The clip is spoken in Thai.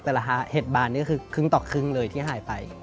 เห็ดบานนี่ก็คือครึ่งต่อครึ่งเลยที่หายไป